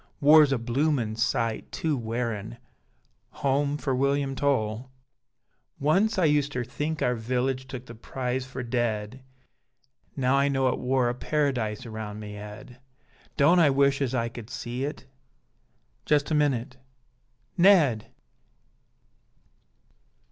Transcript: War's a bloomin sight too wearin: Home for William Towl! Once I uster think our village Took the prize for dead, Now I know it wor a Para dise around me head; Don't I wish as I could see it Just a minute Ned!